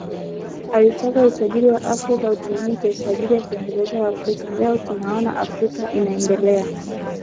Alitaka utajiri wa Afrika utumike kwa ajili ya kuendeleza waafrika Leo tunaona Afrika inaendelea